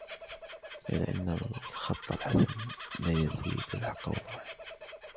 قِيلَ إنَّ الْخَطَّ الْحَسَنَ لَيَزِيدُ الْحَقَّ وُضُوحًا